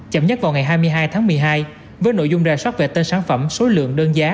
chậm nhất vào ngày hai mươi hai tháng một mươi hai với nội dung rà soát về tên sản phẩm số lượng đơn giá